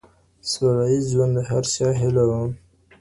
سوله ییز ژوند د هر چا هیله وه.